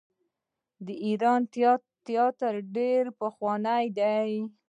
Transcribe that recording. د ایران تیاتر ډیر پخوانی دی.